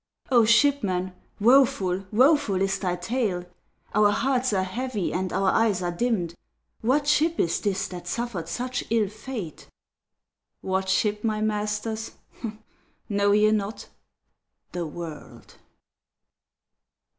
O shipman, woful, woful is thy tale! Our hearts are heavy and our eyes are dimmed. What ship is this that suffered such ill fate? What ship, my masters? Know ye not? The World!